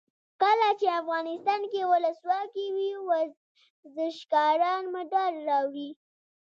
کله چې افغانستان کې ولسواکي وي ورزشکاران مډال راوړي.